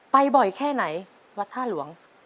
บ่อยแค่ไหนวัดท่าหลวง